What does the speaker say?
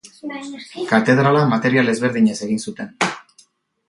Katedrala material ezberdinez egin zuten.